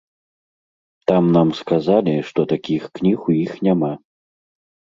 Там нам сказалі, што такіх кніг у іх няма.